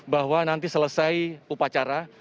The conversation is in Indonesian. bahwa nanti selesai upacara